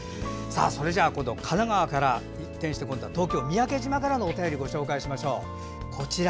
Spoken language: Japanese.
それでは神奈川から一転して東京の三宅島からのお便りをご紹介しましょう。